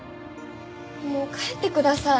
もう帰ってください。